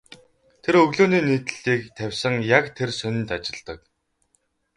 Тэр өглөөний нийтлэлийг тавьсан яг тэр сонинд ажилладаг.